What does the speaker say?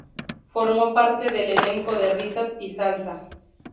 Formó parte del elenco de "Risas y salsa.